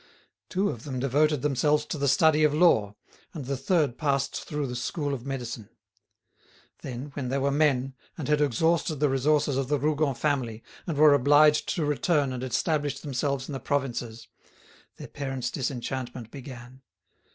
Two of them devoted themselves to the study of law, and the third passed through the School of Medicine. Then, when they were men, and had exhausted the resources of the Rougon family and were obliged to return and establish themselves in the provinces, their parents' disenchantment began.